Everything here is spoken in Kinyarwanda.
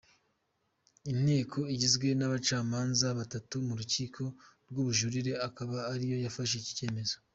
Inteko igizwe n’abacamanza batatu mu rukiko rw’ubujurire, akaba ariyo yafashe iki cyemezo.